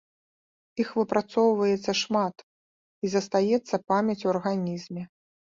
Іх выпрацоўваецца шмат, і застаецца памяць у арганізме.